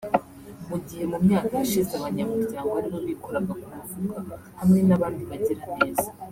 mu gihe mu myaka yashize abanyamuryango aribo bikoraga ku mufuka hamwe n’abandi bagiraneza